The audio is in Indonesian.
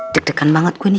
deg degan banget gua nih